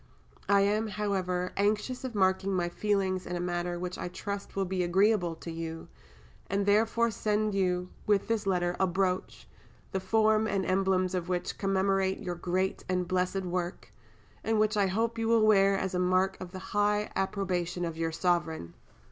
I am, however, anxious of marking my feelings in a manner which I trust will be agreeable to you, and therefore send you with this letter a brooch, the form and emblems of which commemorate your great and blessed work, and which, I hope, you will wear as a mark of the high approbation of your Sovereign!